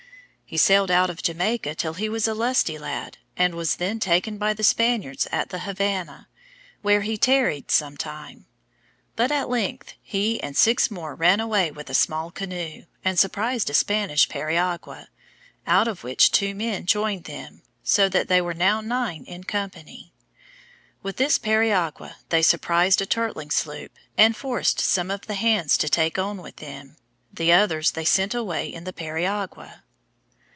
He sailed out of Jamaica till he was a lusty lad, and was then taken by the Spaniards at the Havana, where he tarried some time; but at length he and six more ran away with a small canoe, and surprised a Spanish periagua, out of which two men joined them, so that they were now nine in company. With this periagua they surprised a turtling sloop, and forced some of the hands to take on with them; the others they sent away in the periagua.